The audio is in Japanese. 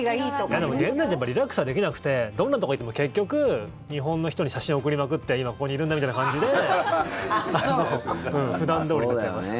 でも、現代人ってリラックスはできなくてどんなところに行っても、結局日本の人に写真を送りまくって今、ここにいるんだみたいな感じで普段どおりだと思いますよ。